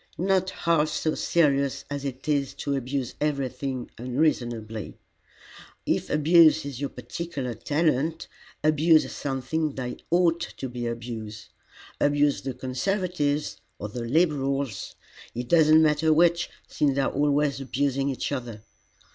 "Not half so serious as it is to abuse everything unreasonably. If abuse is your particular talent, abuse something that ought to be abused. Abuse the Conservatives or the Liberals it does not matter which, since they are always abusing each other.